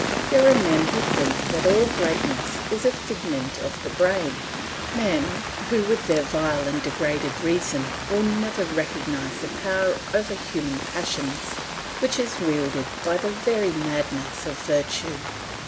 There are men who think that all greatness is a figment of the brain, men who with their vile and degraded reason will never recognise the power over human passions which is wielded by the very madness of virtue.